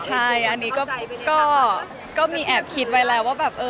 ใช่อันนี้ก็มีแอบคิดไว้แล้วว่าแบบ